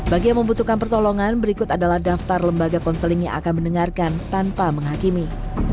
bagi yang membutuhkan pertolongan berikut adalah daftar lembaga konseling yang akan mendengarkan tanpa menghakimi